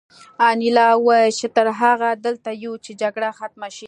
انیلا وویل چې تر هغې دلته یو چې جګړه ختمه شي